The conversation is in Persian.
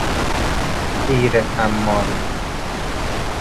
تیر حمال